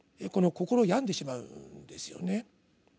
心を病んでしまうんですよね。